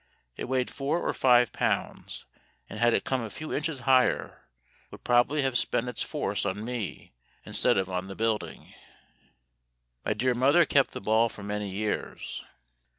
It weighed four or five pounds; and had it come a few inches higher, would probably have spent its force on me instead of on the building. My dear mother kept the ball for many years.